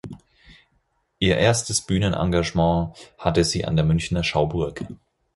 Ihr erstes Bühnenengagement hatte sie an der Münchner Schauburg.